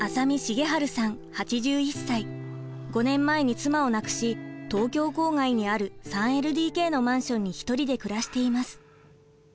５年前に妻を亡くし東京郊外にある３ＬＤＫのマンションに一人で暮らしています。